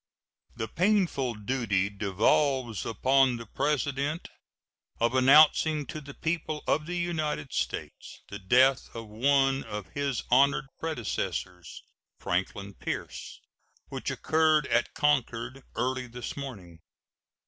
The painful duty devolves upon the President of announcing to the people of the United States the death of one of his honored predecessors, Franklin Pierce, which occurred at Concord early this morning.